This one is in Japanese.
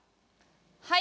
はい。